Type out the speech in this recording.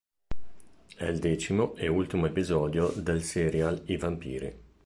È il decimo e ultimo episodio del serial "I vampiri".